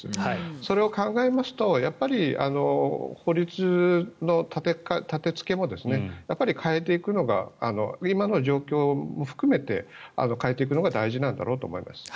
それを考えますと法律の建付けも変えていくのが今の状況も含めて変えていくのが大事なんだろうと思います。